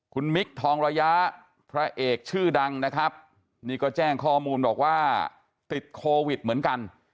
คุณมิคทองระยะพระเอกชื่อดังนะครับนี่ก็แจ้งข้อมูลบอกว่าติดโควิดเหมือนกัน